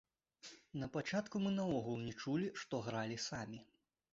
Напачатку мы наогул не чулі, што гралі самі.